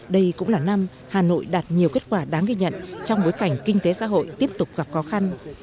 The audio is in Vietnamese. đây cũng là năm hà nội đạt nhiều kết quả đáng ghi nhận trong bối cảnh kinh tế xã hội tiếp tục gặp khó khăn